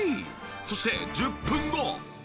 そして１０分後。